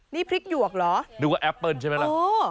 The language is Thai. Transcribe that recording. นี่พริกหยวกเหรอนึกว่าแอปเปิ้ลใช่ไหมล่ะ